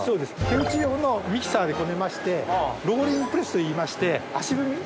手打ち用のミキサーでこねましてローリングプレスといいまして足踏み。